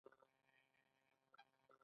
کورنۍ درملنه هم ګټوره وي